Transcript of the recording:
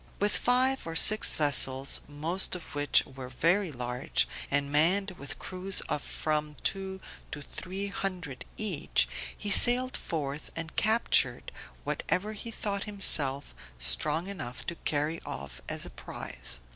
With five or six vessels, most of which were very large, and manned with crews of from two to three hundred each, he sallied forth, and captured whatever he thought himself strong enough to carry off as a prize.